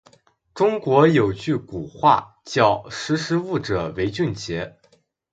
中国有句古话，叫“识时务者为俊杰”。